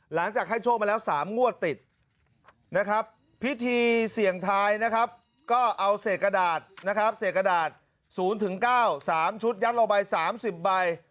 หลังจากให้โชคมาแล้ว๓งวดติดนะครับพิธีเสี่ยงทายนะครับก็เอาเศษกระดาษนะครับเศษกระดาษ๐๙๓ชุดยัดลงไป๓๐ใบ